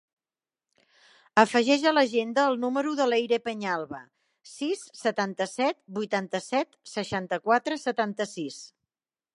Afegeix a l'agenda el número de l'Eire Peñalba: sis, setanta-set, vuitanta-set, seixanta-quatre, setanta-sis.